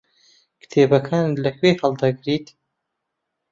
کتێبەکانت لەکوێ هەڵدەگریت؟